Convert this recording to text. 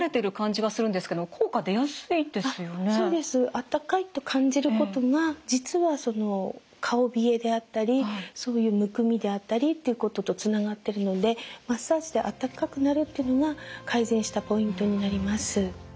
温かいと感じることが実は顔冷えであったりそういうむくみであったりっていうこととつながってるのでマッサージで温かくなるっていうのが改善したポイントになります。